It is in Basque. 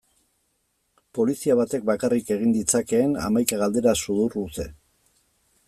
Polizia batek bakarrik egin ditzakeen hamaika galdera sudurluze.